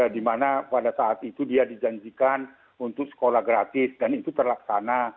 di mana pada saat itu dia dijanjikan untuk sekolah gratis dan itu terlaksana